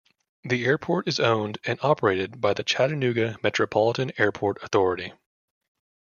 The airport is owned and operated by the Chattanooga Metropolitan Airport Authority.